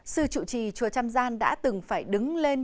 sư chủ trì chùa trăm gian đã từng phải đứng lên